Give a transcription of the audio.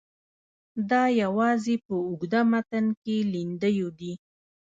دا یوازې په اوږده متن کې لیندیو دي.